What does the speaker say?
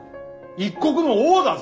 一国の王だぞ？